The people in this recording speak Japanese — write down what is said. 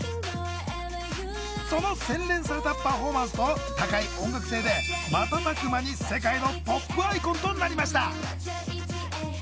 その洗練されたパフォーマンスと高い音楽性で瞬く間に世界のポップアイコンとなりました。